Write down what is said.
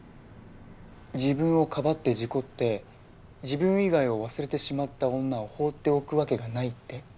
自分を庇って事故って自分以外を忘れてしまった女を放っておくわけがないって？